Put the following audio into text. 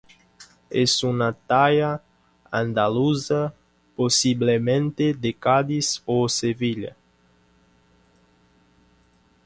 Es una talla andaluza, posiblemente de Cádiz o Sevilla.